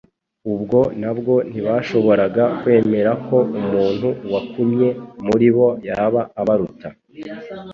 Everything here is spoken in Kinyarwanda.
Ubwo nabwo ntibashoboraga kwemera ko umuntu wakunye muri bo yaba abaruta.